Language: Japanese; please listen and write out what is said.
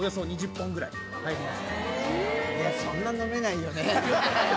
いやそんな飲めないよね。